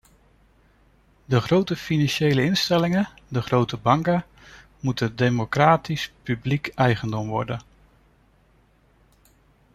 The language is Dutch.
De grote financiële instellingen, de grote banken, moeten democratisch publiek eigendom worden.